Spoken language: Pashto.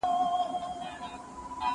نه سازونه مي مطلب د نيمي شپې دي